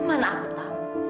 mana aku tahu